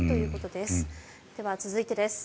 では続いてです。